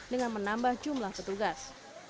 dengan menambah jumlah petugas